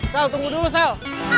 sel tunggu dulu sel